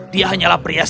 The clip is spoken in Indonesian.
dia hanyalah pria seragam